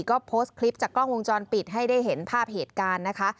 ก็โพสต์คลิปจากกล้องวงจรปิดให้ได้เห็นภาพเหตุการณ์นะคะ